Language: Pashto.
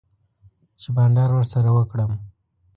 چی بانډار ورسره وکړم